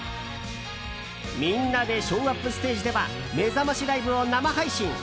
みんなでＳＨＯＷＵＰステージではめざましライブを生配信。